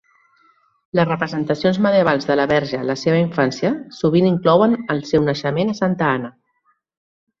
Les representacions medievals de la verge en la seva infància sovint inclouen el seu naixement a Santa Anna.